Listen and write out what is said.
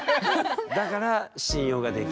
だから信用ができないと。